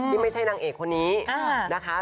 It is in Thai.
ที่ไม่ใช่นางเอกคนนี้นะคะ